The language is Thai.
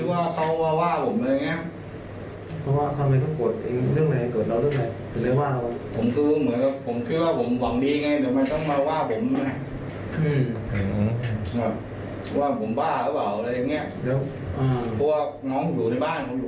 ว่าผมบ้าหรือเปล่าอะไรอย่างนี้